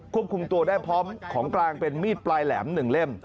ควบคุมตัวได้พร้อมของกลางเป็นมีดปลายแหลม๑เล่ม